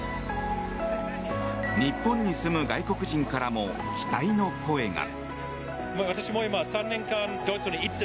日本に住む外国人からも期待の声が。